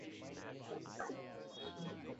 This model applies to numerous British cities.